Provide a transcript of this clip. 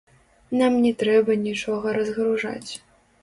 Нам не трэба нічога разгружаць.